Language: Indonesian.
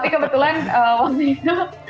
tapi kebetulan waktu itu